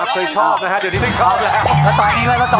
เคยชอบนะฮะเดี๋ยวนี้ไม่ชอบแล้ว